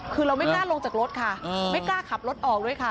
คือเราไม่กล้าลงจากรถค่ะไม่กล้าขับรถออกด้วยค่ะ